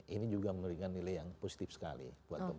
ini juga memberikan nilai yang positif sekali buat pemerintah